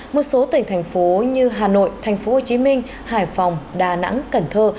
một số tỉnh thành phố như hà nội tp hcm hải phòng đà nẵng cần thơ